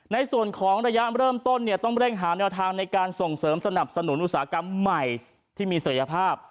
ในส่วนของระยะเริ่มต้นเนี่ยต้องเร่งหาแนวทางในการส่งเสริมสนับสนุนอุตสาหกรรมใหม่ที่มีศักยภาพ